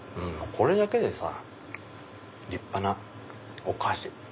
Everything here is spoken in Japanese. これだけでさ立派なお菓子。